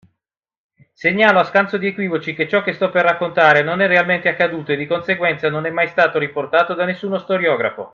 Segnalo, a scanso di equivoci, che ciò che sto per raccontare non è realmente accaduto e di conseguenza non è mai stato riportato da nessuno storiografo.